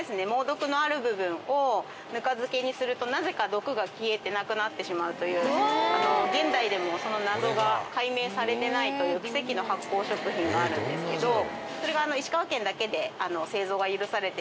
猛毒のある部分をぬか漬けにするとなぜか毒が消えてなくなってしまうという現代でもその謎が解明されてないという奇跡の発酵食品があるんですけどそれがわっ！